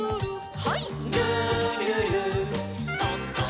はい。